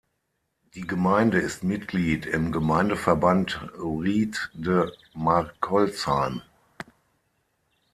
Die Gemeinde ist Mitglied im Gemeindeverband Ried de Marckolsheim.